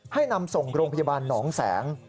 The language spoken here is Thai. ให้นำส่งโรงพยาบาลหนองแสง